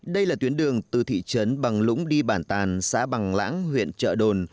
đây là tuyến đường từ thị trấn bằng lũng đi bản tàn xã bằng lãng huyện trợ đồn